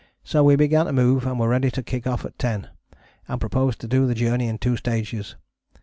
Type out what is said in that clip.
so we began to move and were ready to kick off at 10, and proposed to do the journey in two stages.